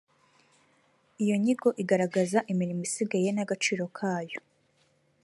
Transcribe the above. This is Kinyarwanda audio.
iyo nyigo igaragaza imirimo isigaye n’agaciro kayo